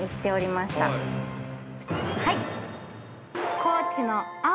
はい！